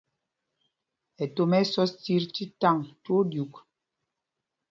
Ɛtom ɛ́ ɛ́ sɔs otit tí taŋ twóó ɗyûk.